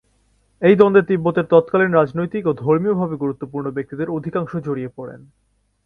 এই দ্বন্দ্বে তিব্বতের তৎকালীন রাজনৈতিক ও ধর্মীয় ভাবে গুরুত্বপূর্ণ ব্যক্তিদের অধিকাংশ জড়িয়ে পড়েন।